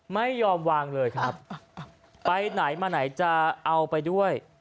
ไม่ยอมวางเลยครับไปไหนมาไหนจะเอาไปด้วย